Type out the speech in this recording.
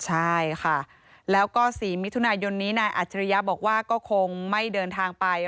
ใช่ค่ะแล้วก็๔มิถุนายนนี้นายอัจฉริยะบอกว่าก็คงไม่เดินทางไป